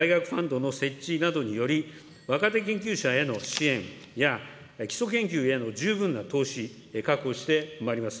また、１０兆円規模の大学ファンドの設置などにより、若手研究者への支援や、基礎研究への十分な投資を確保してまいります。